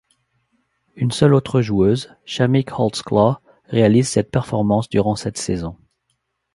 Une seule autre joueuse, Chamique Holdsclaw, réalise cette performance durant cette saison.